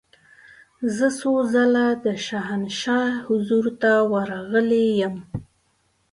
زه څو ځله د شاهنشاه حضور ته ورغلې یم.